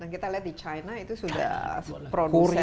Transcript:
kita lihat di china itu sudah produsen solar